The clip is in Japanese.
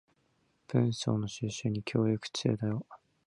文章の収集に協力中だよ